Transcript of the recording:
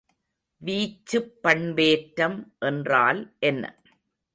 வீச்சுப் பண்பேற்றம் என்றால் என்ன?